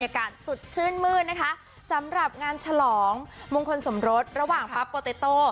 อากาศสดชื่นมืดนะคะสำหรับงานฉลองมงคลสมรสระหว่างปั๊บโปเตโต้